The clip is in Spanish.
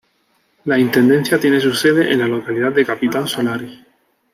La intendencia tiene su sede en la localidad de Capitán Solari.